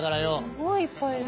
すごいいっぱいいる。